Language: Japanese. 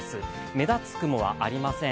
目立つ雲はありません。